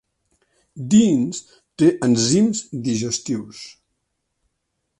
Dins té enzims digestius.